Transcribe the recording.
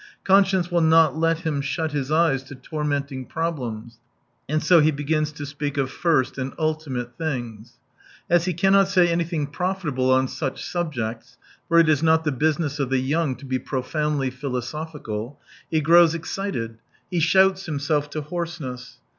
Con science will not let him shut his eyes to torrnenting problems, and so he begins to speak of "first and ultimate things." As he cannot say anything profitable on such subjects— for it is not the business of the young to be profoundly philosophical — he grows excited, he shouts himself to B 17 hoarseness.